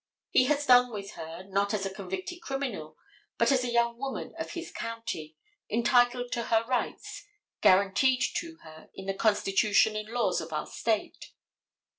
He has done with her, not as a convicted criminal, but as a young woman of his county, entitled to her rights, guaranteed to her in the constitution and laws of our State.